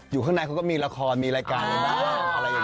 อยู่ข้างในเขาก็มีละครมีรายการอะไรบ้าง